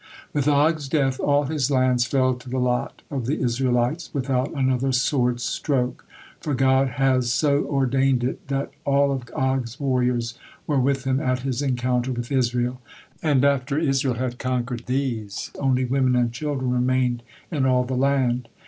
With Og's death all his lands fell to the lot of the Israelites without another sword's stroke, for God has so ordained it that al of Og's warriors were with him at his encounter with Israel, and after Israel had conquered these, only women and children remained in all the land.